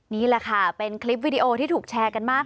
นี่แหละค่ะเป็นคลิปวิดีโอที่ถูกแชร์กันมาก